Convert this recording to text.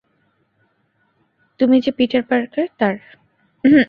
তুমি যে Peter Parker, তার।